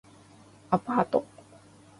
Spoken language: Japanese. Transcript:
アパート